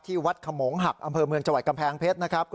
วัดขมงหักอำเภอเมืองจังหวัดกำแพงเพชรนะครับ